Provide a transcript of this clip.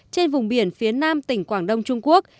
trên vùng biển phía nam tỉnh quảng đông trung quốc